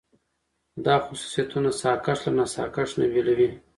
دا خصوصيتونه ساکښ له ناساکښ نه بېلوي.